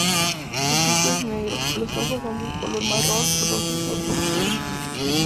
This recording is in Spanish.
Su pico es negro; los ojos son de un color marrón-rojizo oscuro.